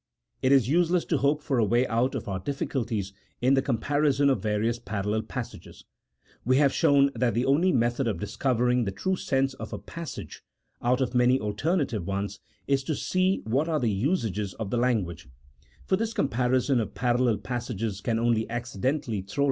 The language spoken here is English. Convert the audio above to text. It is useless to hope for a way out of our difficulties in the comparison of various parallel passages (we have shown that the only method of discovering the true sense of a passage out of many alternative ones is to see what are the usages of the language), for this com parison of parallel passages can only accidentally throw CHAP.